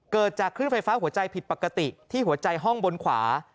เกิดจากคลื่นไฟฟ้าหัวใจผิดปกติที่หัวใจห้องบนขวา